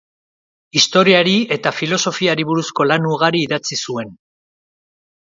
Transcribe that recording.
Historiari eta filosofiari buruzko lan ugari idatzi zuen.